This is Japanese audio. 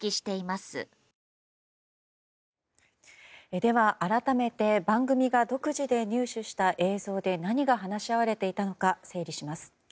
では、改めて番組が独自にニュースした映像で何が話し合われていたのか整理します。